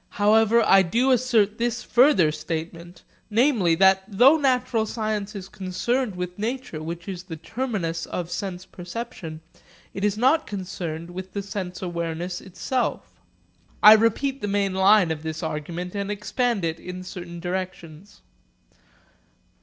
However, I do assert this further statement; namely, that though natural science is concerned with nature which is the terminus of sense perception, it is not concerned with the sense awareness itself. I repeat the main line of this argument, and expand it in certain directions.